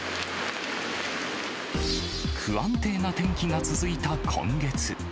不安定な天気が続いた今月。